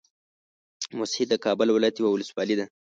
موسهي د کابل ولايت يوه ولسوالۍ ده